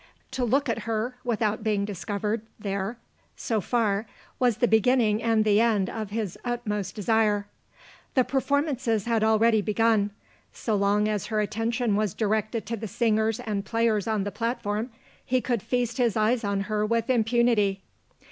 To look at her, without being discovered there, so far, was the beginning and the end of his utmost desire. The performances had already begun. So long as her attention was directed to the singers and players on the platform, he could feast his eyes on her with impunity.